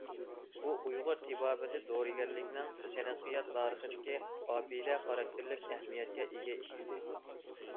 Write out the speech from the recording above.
بۇ، ئۇيغۇر تېبابىتى دورىگەرلىكىنىڭ تەرەققىيات تارىخىدىكى ئابىدە خاراكتېرلىك ئەھمىيەتكە ئىگە ئىش ئىدى.